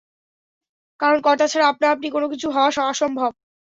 কারণ কর্তা ছাড়া আপনা-আপনি কোন কিছু হওয়া অসম্ভব।